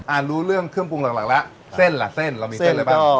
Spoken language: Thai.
รู้เรื่องเครื่องปรุงหลักแล้วเส้นล่ะเส้นเรามีเส้นอะไรบ้าง